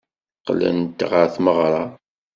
Qqlent ɣer tmeɣra.